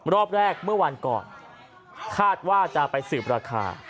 รอบแรกเมื่อวันก่อนคาดว่าจะไปสืบราคา